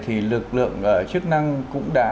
thì lực lượng chức năng cũng đã